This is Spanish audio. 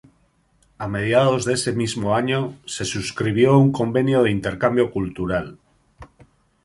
A mediados de ese mismo año, se suscribió un convenio de intercambio cultural.